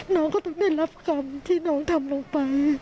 น้องก็ต้องได้รับกรรมที่น้องทำลงไป